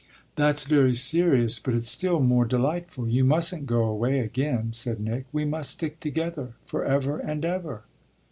"That's very serious, but it's still more delightful. You mustn't go away again," said Nick. "We must stick together forever and ever."